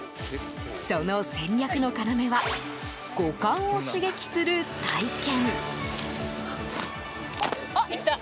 その戦略の要は五感を刺激する体験。